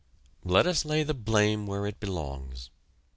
Let us lay the blame where it belongs.